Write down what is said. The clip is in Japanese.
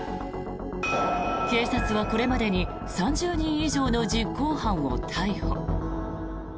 警察はこれまでに３０人以上の実行犯を逮捕。